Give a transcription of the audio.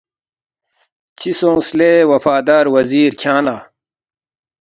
”چِہ سونگس لے وفادار وزیر کھیانگ لہ؟“